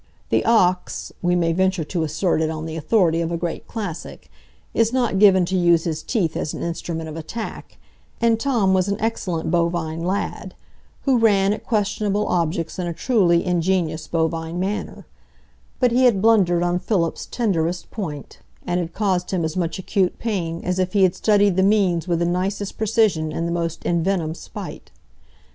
The ox—we may venture to assert it on the authority of a great classic—is not given to use his teeth as an instrument of attack, and Tom was an excellent bovine lad, who ran at questionable objects in a truly ingenious bovine manner; but he had blundered on Philip's tenderest point, and had caused him as much acute pain as if he had studied the means with the nicest precision and the most envenomed spite.